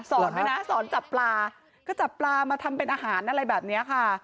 ด้วยนะสอนจับปลาก็จับปลามาทำเป็นอาหารอะไรแบบนี้ค่ะ